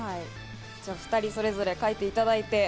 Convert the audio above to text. ２人それぞれ書いていただいて。